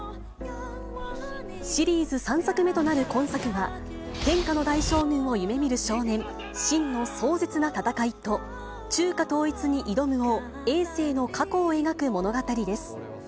シリーズ３作目となる今作は、天下の大将軍を夢みる少年、信の壮絶な戦いと、中華統一に挑む王、えい政の過去を描く物語です。